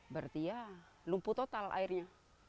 berarti ya lumpuh total airnya